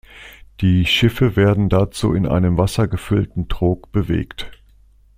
Die Schiffe werden dazu in einem wassergefüllten Trog bewegt.